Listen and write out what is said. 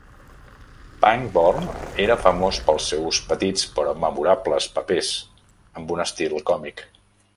Pangborn era famós pels seus petits, però memorables papers, amb un estil còmic.